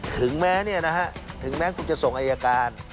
ถึงแม้ถึงแม้คุณจะส่งอายการ